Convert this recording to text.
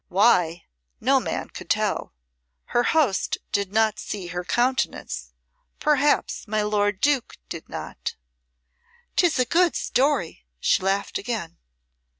Why, no man could tell. Her host did not see her countenance perhaps my lord Duke did not. "'Tis a good story!" she laughed again.